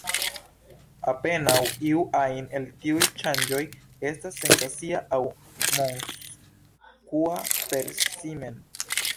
Apenaŭ iu ajn el tiuj ŝanĝoj estas sensacia aŭ mondskua per si mem.